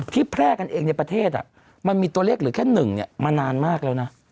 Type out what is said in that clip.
แพร่กันเองในประเทศมันมีตัวเลขเหลือแค่๑มานานมากแล้วนะ